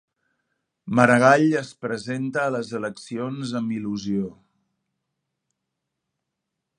Maragall es presenta a les eleccions amb il·lusió